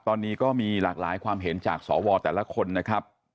ตอนนี้ก็มีหลากหลายความเห็นจากสวแต่ละคนนะครับ